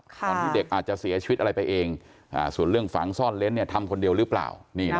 ตอนที่เด็กอาจจะเสียชีวิตอะไรไปเองส่วนเรื่องฝังซ่อนเล้นทำคนเดียวหรือเปล่า